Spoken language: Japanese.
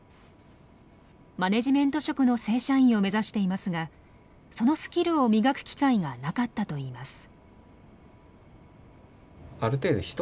マネジメント職の正社員を目指していますがそのスキルを磨く機会がなかったといいます。